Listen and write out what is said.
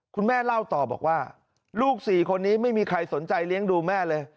คุณแม่เล่าต่อบอกว่าลูก๔คนนี้ไม่มีใครสนใจเลี้ยงดูแม่เลย